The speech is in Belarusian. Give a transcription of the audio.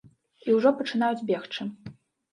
І ўжо пачынаюць бегчы.